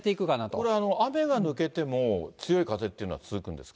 これ、雨が抜けても強い風っていうのは続くんですか？